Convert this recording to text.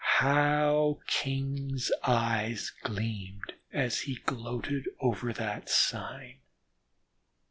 How King's eye gleamed as he gloated over the sign!